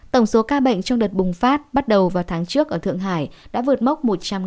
tổng số ca bệnh trong đợt bùng phát bắt đầu vào tháng trước ở thượng hải đã vượt mốc một trăm năm mươi